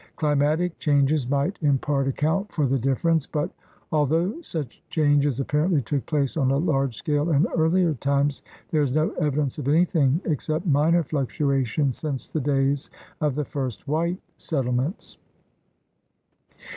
^* Climatic changes might in part account for the difference, but, although such changes apparently took place on a large scale in earlier times, there is no evidence of anything ex cept minor fluctuations since the days of the first white settlements.